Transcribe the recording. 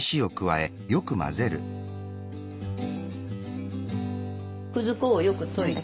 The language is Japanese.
くず粉をよく溶いて。